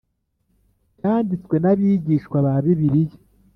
cyanditswe n Abigishwa ba Bibiliya